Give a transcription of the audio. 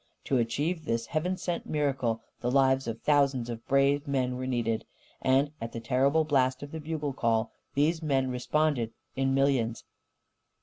To achieve this Heaven sent miracle, the lives of thousands of brave men were needed. And at the terrible blast of the bugle call these men responded in millions.